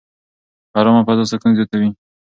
ارامه فضا سکون زیاتوي.